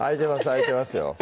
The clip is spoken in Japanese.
開いてますよ